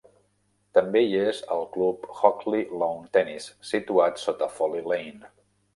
També hi és el club Hockley Lawn Tennis, situat sota Folly Lane.